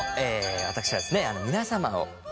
私はですね